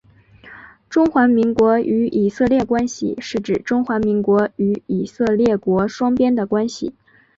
中华民国与以色列关系是指中华民国与以色列国双边的关系。